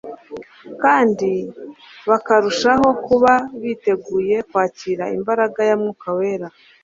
kandi bakarushaho kuba biteguye kwakira imbaraga ya mwuka wera